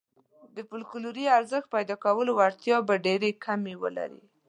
د فوکلوري ارزښت پيدا کولو وړتیا به ډېرې کمې ولري.